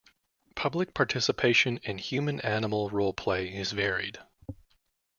Public participation in human animal roleplay is varied.